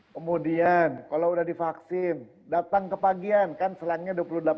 kemudian kalau sudah divaksin datang ke pagian kan selangnya dua puluh delapan